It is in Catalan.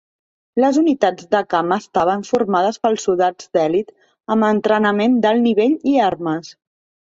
Les unitats de camp estaven formades per soldats d'elit amb entrenament d'alt nivell i armes.